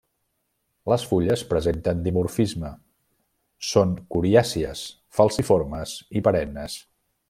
Les fulles presenten dimorfisme, són coriàcies, falciformes i perennes.